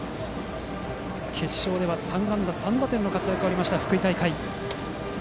決勝では３安打３打点の活躍があった福井大会。